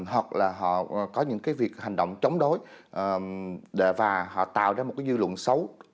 hoặc là họ có những cái việc hành động chống đối và họ tạo ra một cái dư luận xấu